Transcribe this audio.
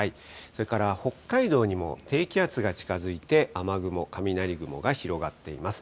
それから北海道にも低気圧が近づいて、雨雲、雷雲が広がっています。